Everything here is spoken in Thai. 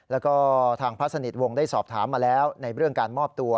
แล้วก็ทางพระสนิทวงศ์ได้สอบถามมาแล้วในเรื่องการมอบตัว